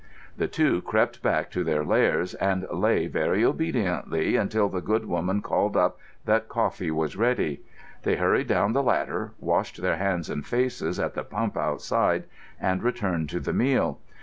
The two crept back to their lairs, and lay very obediently until the good woman called up that coffee was ready. They hurried down the ladder, washed their hands and faces at the pump outside, and returned to the meal.